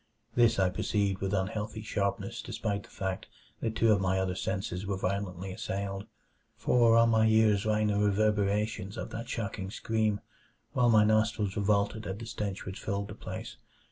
This I perceived with unhealthy sharpness despite the fact that two of my other senses were violently assailed. For on my ears rang the reverberations of that shocking scream, while my nostrils revolted at the stench which filled the place.